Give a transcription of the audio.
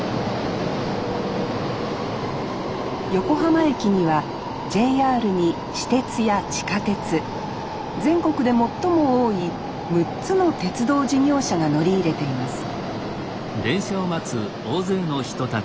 横浜駅にはＪＲに私鉄や地下鉄全国で最も多い６つの鉄道事業者が乗り入れています